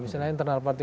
misalnya internal party